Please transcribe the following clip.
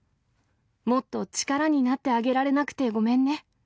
もっと力になってあげられなくてごめんね。